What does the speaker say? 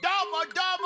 どーも！